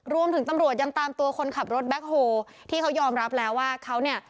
ตำรวจยังตามตัวคนขับรถแบ็คโฮที่เขายอมรับแล้วว่าเขาเนี่ย